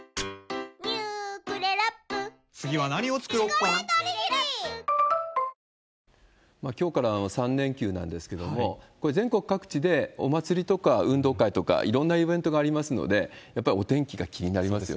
ニトリきょうから３連休なんですけれども、これ、全国各地でお祭りとか運動会とか、いろんなイベントがありますので、やっぱりお天気が気になりますよ